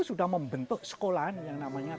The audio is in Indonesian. sudah membentuk sekolah yang namanya